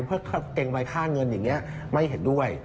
เพื่อเกรงไรค่าเงินอย่างนี้ไม่เห็นด้วย